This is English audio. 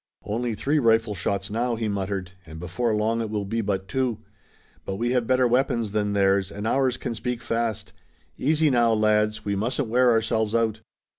"Only three rifleshots now," he muttered, "and before long it will be but two. But we have better weapons than theirs, and ours can speak fast. Easy now, lads! We mustn't wear ourselves out!"